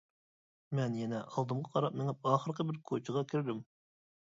مەن يەنە ئالدىمغا قاراپ مېڭىپ، ئاخىرقى بىر كوچىغا كىردىم.